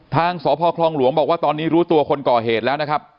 ทางสพคลองหลวงบอกว่าตอนนี้รู้ตัวคนก่อเหตุแล้วนะครับ